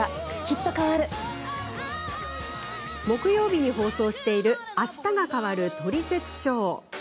木曜放送に放送している「あしたが変わるトリセツショー」。